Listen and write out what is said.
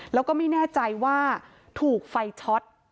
แล้วก็ไม่แน่ใจว่าถูกไฟช็อต